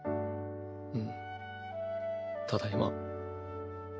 うんただいま。